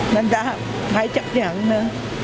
nên ta phải chấp nhận nữa